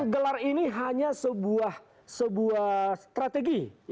gelar ini hanya sebuah strategi